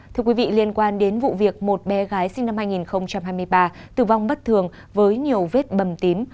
thưa quý vị liên quan đến vụ việc một bé gái sinh năm hai nghìn hai mươi ba tử vong bất thường với nhiều vết bầm tím